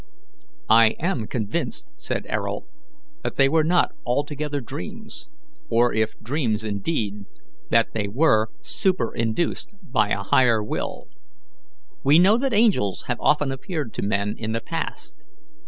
'" "I am convinced," said Ayrault, "that they were not altogether dreams, or, if dreams indeed, that they were superinduced by a higher will. We know that angels have often appeared to men in the past.